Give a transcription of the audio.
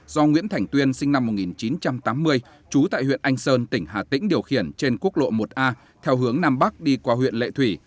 do nguyễn thành tuyên sinh năm một nghìn chín trăm tám mươi trú tại huyện anh sơn tỉnh hà tĩnh điều khiển trên quốc lộ một a theo hướng nam bắc đi qua huyện lệ thủy